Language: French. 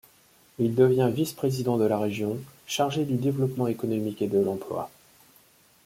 Il devient vice-président de la Région, chargé du développement économique et de l’emploi.